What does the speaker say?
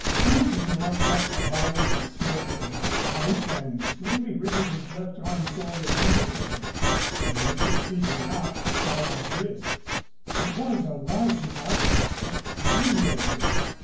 Hammersley now puffed a volume of smoke from his pipe and slowly wriggled his left arm forward under him, so that he could see the knot that tied his wrists. It was a large knot, but vulnerable.